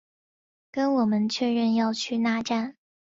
跟我们确认要去那站